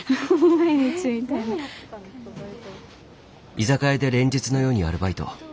居酒屋で連日のようにアルバイト。